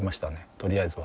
とりあえずは。